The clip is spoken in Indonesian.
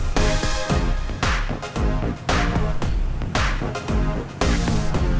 lelu siah n silence